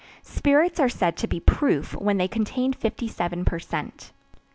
Spirits are said to be "proof" when they contain 57 per cent.